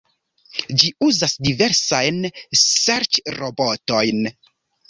Ĝi uzas diversajn serĉrobotojn.